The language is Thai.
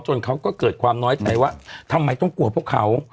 เขาก็เกิดความน้อยใจว่าทำไมต้องกลัวพวกเขา